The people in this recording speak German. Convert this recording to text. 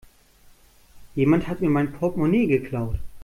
Jemand hat mir mein Portmonee geklaut.